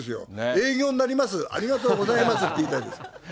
営業になります、ありがとうございますって言いたいです。